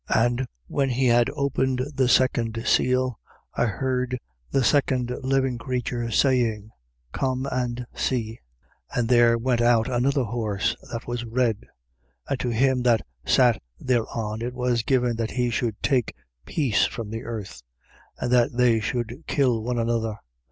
And when he had opened the second seal, I heard the second living creature saying: Come and see. 6:4. And there went out another horse that was red. And to him that sat thereon, it was given that he should take peace from the earth: and that they should kill one another.